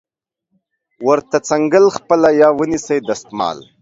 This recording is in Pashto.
ورته څنګل خپله یا ونیسئ دستمال